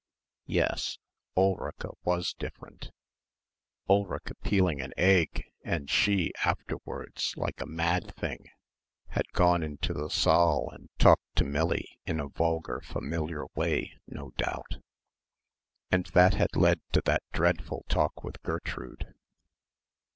Yes, Ulrica was different ... Ulrica peeling an egg and she, afterwards like a mad thing had gone into the saal and talked to Millie in a vulgar, familiar way, no doubt. And that had led to that dreadful talk with Gertrude.